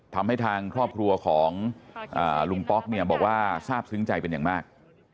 ทำให้ทางครอบครัวของลุงป๊อกเนี่ยบอกว่าทราบซึ้งใจเป็นอย่างมาก